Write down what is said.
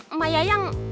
emak yaya yang